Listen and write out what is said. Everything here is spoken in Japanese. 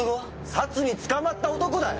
サツに捕まった男だよ！